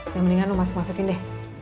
yang mendingan lo masuk masukin deh